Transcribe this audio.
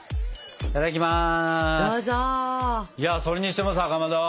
いただきます。